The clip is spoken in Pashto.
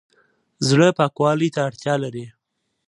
زړه پاکوالي ته اړتیا لري